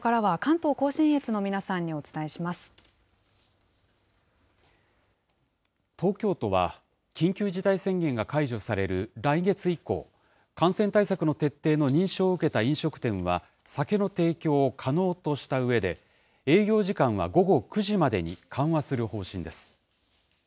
東京都は、緊急事態宣言が解除される来月以降、感染対策の徹底の認証を受けた飲食店は、酒の提供を可能としたうえで、営業時間は午後９時までに緩和する方針です。